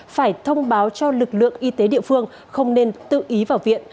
phải thông báo cho lực lượng y tế địa phương không nên tự ý vào viện